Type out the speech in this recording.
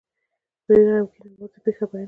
په ډېر غمګین آواز یې پېښه بیان کړه.